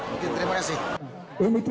mungkin terima kasih